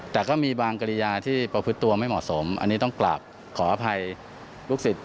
แต่ก็มีบางกริยาที่ประพฤติตัวไม่เหมาะสมอันนี้ต้องกลับขออภัยลูกศิษย์